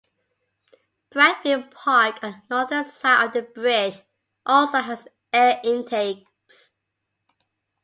Bradfield Park on the northern side of the bridge also has air intakes.